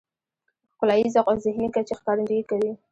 ښکلاييز ذوق او ذهني کچې ښکارندويي کوي .